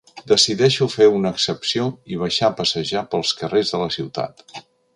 Decideixo fer una excepció i baixar a passejar pels carrers de la ciutat.